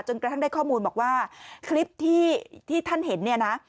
กระทั่งได้ข้อมูลบอกว่าคลิปที่ท่านเห็นเนี่ยนะ